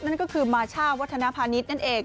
นั่นก็คือมาช่าวัฒนภาณิชย์นั่นเอง